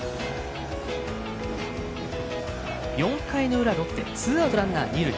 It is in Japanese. ４回の裏、ロッテツーアウト、ランナー、二塁。